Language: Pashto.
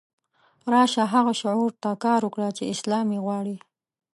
راشه هغه شعور ته کار وکړه چې اسلام یې غواړي.